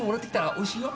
おいしいよ。